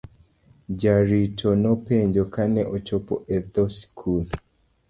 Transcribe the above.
Jarito nopenje kane ochopo e dhoo skul.